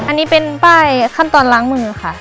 อันนี้เป็นป้ายขั้นตอนล้างมือค่ะ